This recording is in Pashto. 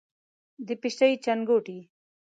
د پیشۍ چنګوټی،